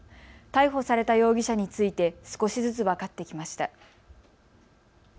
逮捕された容疑者について少しずつ分かってきました。